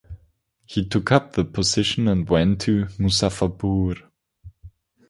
He took up the position and went to Muzaffarpur.